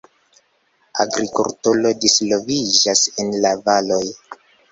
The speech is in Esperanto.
Agrikulturo disvolviĝas en la valoj.